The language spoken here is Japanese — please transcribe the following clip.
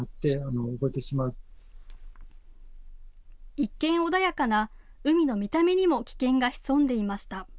一見、穏やかな海の見た目にも危険が潜んでいました。